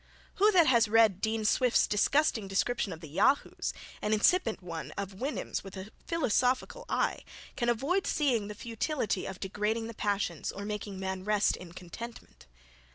Who that has read Dean Swift's disgusting description of the Yahoos, and insipid one of Houyhnhnm with a philosophical eye, can avoid seeing the futility of degrading the passions, or making man rest in contentment?